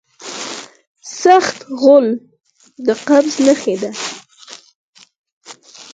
سخت غول د قبض نښه ده.